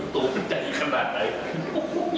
ตัวมันใหญ่ขนาดไหน